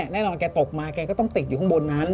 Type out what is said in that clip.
แกตกมาแกก็ต้องติดอยู่ข้างบนนั้น